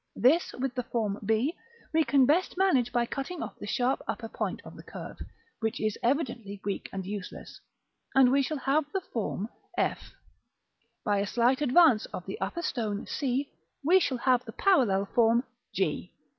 This, with the form b, we can best manage by cutting off the sharp upper point of its curve, which is evidently weak and useless; and we shall have the form f. By a slight advance of the upper stone c, we shall have the parallel form g.